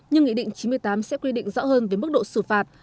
nhưng nghị định chín mươi tám sẽ quy định rõ hơn về mức độ xử phạt